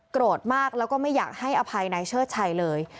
โกรธมากแล้วก็ไม่อยากให้อภัยนายเชิดชัยเลย